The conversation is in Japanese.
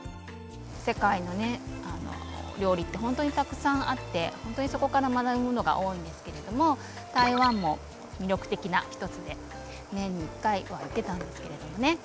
世界のねあの料理って本当にたくさんあって本当にそこから学ぶものが多いんですけれども台湾も魅力的な一つで年に１回は行ってたんですけれどもね。